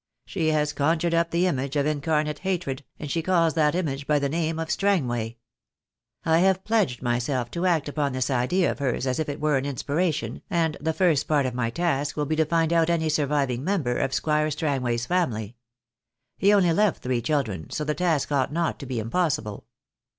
She has conjured up the image of incarnate hatred, and she calls that image by the name of Strangway. I have pledged myself to act upon this idea of hers as if it were inspiration, and the first part of my task will be to find out any surviving member of Squire Strangway's family. He only left three children, so the task ought not to be impossible."